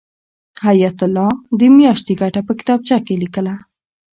حیات الله د میاشتې ګټه په کتابچه کې لیکله.